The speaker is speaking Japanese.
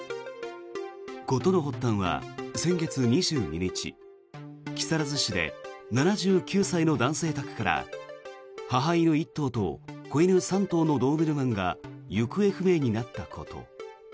事の発端は先月２２日木更津市で７９歳の男性宅から母犬１頭と子犬３頭のドーベルマンが行方不明になったこと。